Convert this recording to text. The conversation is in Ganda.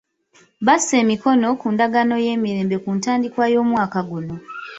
Bassa emikono ku ndagaano y'emirembe ku ntandikwa y'omwaka guno.